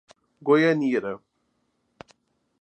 Goianira